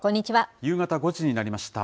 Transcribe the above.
夕方５時になりました。